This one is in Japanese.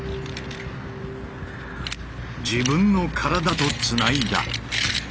自分の体とつないだ。